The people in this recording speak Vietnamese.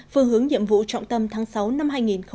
phương hướng nhiệm vụ trọng tâm tháng sáu năm hai nghìn hai mươi